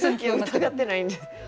疑ってないんです。